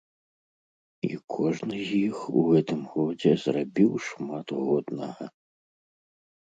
І кожны з іх у гэтым годзе зрабіў шмат годнага.